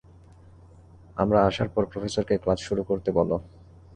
আমরা আসার পর প্রফেসরকে ক্লাস শুরু করতে বলো।